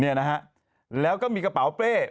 เนี่ยนะฮะแล้วก็มีกระเป๋าเป้